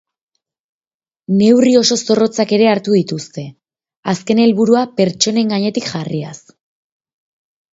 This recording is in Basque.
Neurri oso zorrotzak hartu dituzte, azken helburua pertsonen gainetik jarriaz.